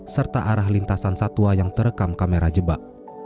serta arah lintasan satwa yang terekam kamera jebak